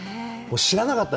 知らなかった。